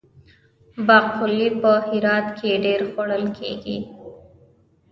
باقلي په هرات کې ډیر خوړل کیږي.